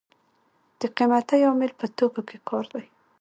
د قیمتۍ عامل په توکو کې کار دی.